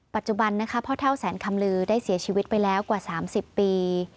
ปัจจุบันนะคะพ่อเท่าแสนคำลือได้เสียชีวิตไปแล้วกว่า๓๐ปี